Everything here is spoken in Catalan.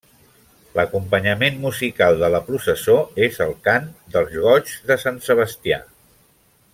L’acompanyament musical de la processó és el cant dels goigs de Sant Sebastià.